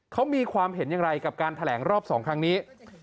เขามีความเห็นอย่างไรกับการแถลงรอบ๒ครั้งนี้